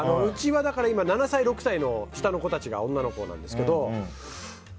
うちは、今７歳、６歳の下の子たちが女の子なんですけど。